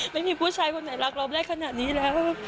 ไม่มีผู้ชายคนไหนรักเราได้ขนาดนี้แล้ว